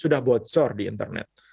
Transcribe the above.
sudah botser di internet